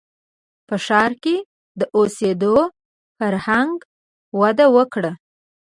• په ښار کې د اوسېدو فرهنګ وده وکړه.